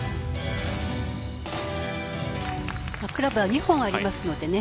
クラブは２本ありますのでね